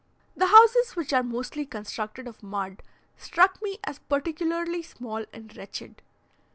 The houses, which are mostly constructed of mud, struck me as particularly small and wretched.